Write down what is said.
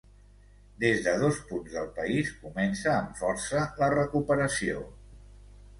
Des de dos punts del país comença amb força la recuperació.